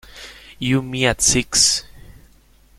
You Me at Six